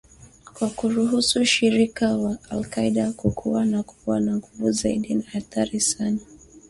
kwa kuruhusu ushirika wa alQaida kukua na kuwa na nguvu zaidi na hatari sana